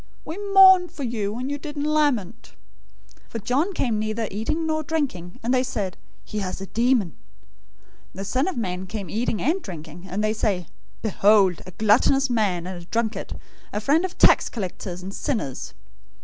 We mourned for you, and you didn't lament.' 011:018 For John came neither eating nor drinking, and they say, 'He has a demon.' 011:019 The Son of Man came eating and drinking, and they say, 'Behold, a gluttonous man and a drunkard, a friend of tax collectors and sinners!'